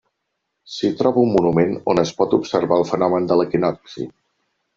S'hi troba un monument on es pot observar el fenomen de l'equinocci.